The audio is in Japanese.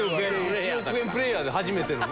１億円プレーヤー初めてのね。